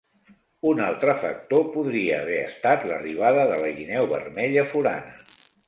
Un altre factor podria haver estat l'arribada de la guineu vermella forana.